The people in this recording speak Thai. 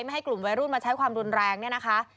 ให้กลุ่มวัยรุ่นมาใช้ความรุนแรงเนี่ยนะคะ